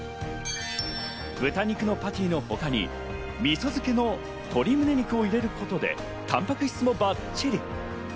豚肉のパティのほかにみそ漬けの鶏むね肉を入れることでタンパク質もバッチリ。